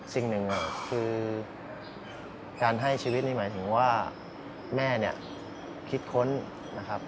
สิ่งหนึ่งคือการให้ชีวิตนี่หมายถึงว่าแม่เนี่ยคิดค้นนะครับ